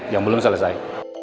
yang belum selesai